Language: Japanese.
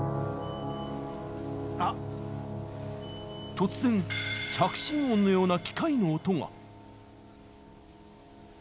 突然着信音のような機械の音が！